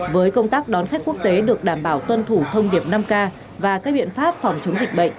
với công tác đón khách quốc tế được đảm bảo tuân thủ thông điệp năm k và các biện pháp phòng chống dịch bệnh